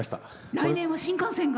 来年は新幹線が。